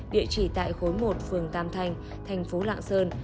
địa chỉ tại khối một phường tam thành thành phố lạng sơn